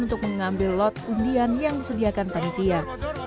untuk mengambil lot undian yang disediakan panitia